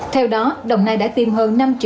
theo đó đồng nai đã tiêm hơn năm triệu liều